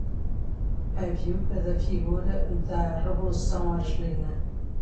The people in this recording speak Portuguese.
a viúva da figura da revolução argelina